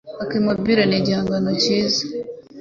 AuAkimanaobile ni igihangano cyiza.